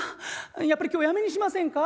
やっぱり今日やめにしませんか？」。